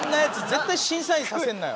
絶対審査員させんなよ。